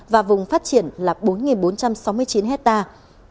và vùng phát triển là bốn bốn trăm sáu mươi chín hectare